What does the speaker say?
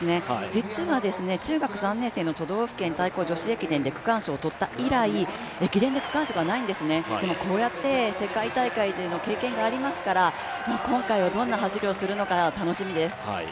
実は中学３学生の都道府県対抗駅伝で区間賞を取った以来、駅伝で区間賞がないんですね、でもこうやって世界大会での経験がありますから今回はどんな走りをするのか楽しみです。